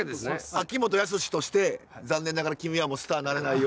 秋元康として残念ながら君はもうスターになれないよ。